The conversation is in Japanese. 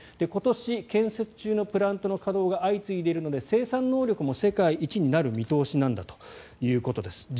今年、建設中のプラントの稼働が相次いでいるので生産能力も世界一になる見通しなんだということです。